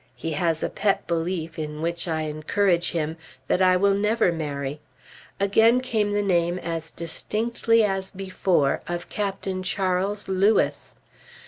(He has a pet belief, in which I encourage him, that I will never marry.) Again came the name as distinctly as before, of Captain Charles Lewis.